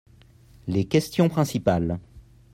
Les questions principales.